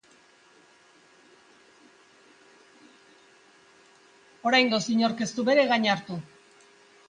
Oraingoz, inork ez du bere gain hartu.